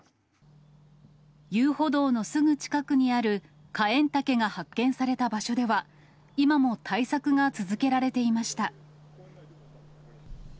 遊歩道のすぐ近くにあるカエンタケが発見された場所では、今も対策が続けられていました。